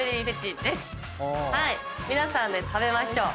皆さんで食べましょう。